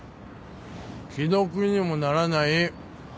既読にもならない。